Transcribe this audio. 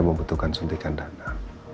membutuhkan suntikan dana